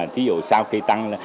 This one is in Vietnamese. thí dụ sau khi tăng